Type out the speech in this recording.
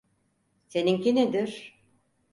Seninki nedir?